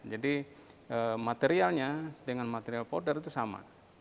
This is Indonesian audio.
jadi materialnya dengan material powder itu sama